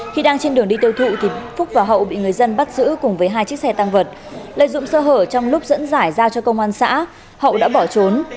khi đang trên đường đi tiêu thụ thì phúc và hậu bị người dân bắt giữ cùng với hai chiếc xe tăng vật lợi dụng sơ hở trong lúc dẫn giải giao cho công an xã hậu đã bỏ trốn